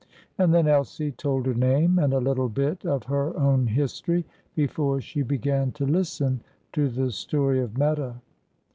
And then Elsie told her name, and a little bit of her own history, before she began to listen to the story of Meta.